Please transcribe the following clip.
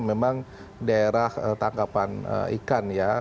memang daerah tangkapan ikan ya